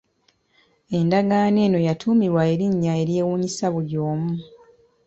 Endagaano eno yatuumibwa erinnya eryewuunyisa buli omu.